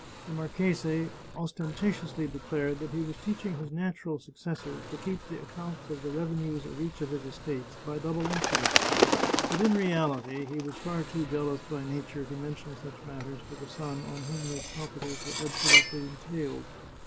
The marchese ostentatiously declared that he was teaching his natural successor to keep the accounts of the revenues of each of his estates by double entry, but in reality he was far too jealous by nature to mention such matters to the son on whom these properties were absolutely entailed.